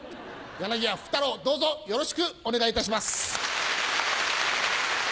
柳家福多楼どうぞよろしくお願いいたします。